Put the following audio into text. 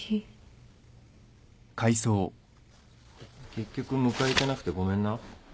結局迎え行けなくてごめんな。